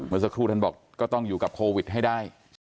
เมื่อสักครู่ท่านบอกก็ต้องอยู่กับโควิดให้ได้